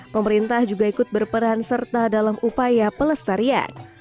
pemerintah juga ikut berperan serta dalam upaya pelestarian